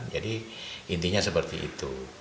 jadi intinya seperti itu